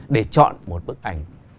để chọn một bức ảnh